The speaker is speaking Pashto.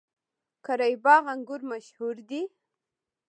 قره باغ انګور مشهور دي؟